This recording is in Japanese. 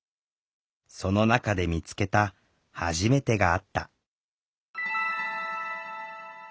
その中で見つけた「はじめて」があった。